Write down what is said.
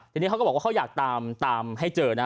ทีนี้เขาก็บอกว่าเขาอยากตามให้เจอนะ